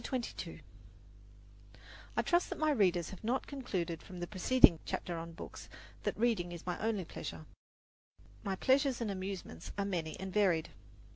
CHAPTER XXII I trust that my readers have not concluded from the preceding chapter on books that reading is my only pleasure; my pleasures and amusements are many and varied.